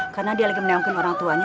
karena dia lagi menewakin orang tuanya